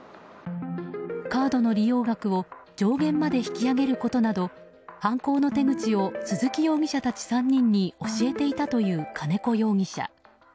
カードの利用額を上限まで引き上げることなど犯行の手口を鈴木容疑者たち３人に教えていたという金子容疑者。